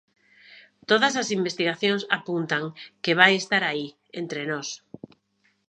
Todas as investigacións apuntan que vai estar aí, entre nós.